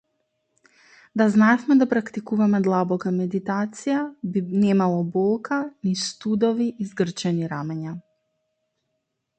Да знаевме да практикуваме длабока медитација, би немало болка, ни студови и згрчени рамења.